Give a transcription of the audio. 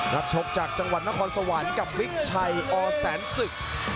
ชกจากจังหวัดนครสวรรค์กับวิกชัยอแสนศึก